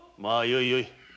まあよいよい。